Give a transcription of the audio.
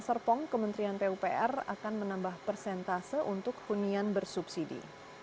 serpong kementerian pupr akan menambah persentase untuk hunian bersubsidi